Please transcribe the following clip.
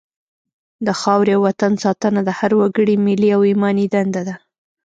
د خاورې او وطن ساتنه د هر وګړي ملي او ایماني دنده ده.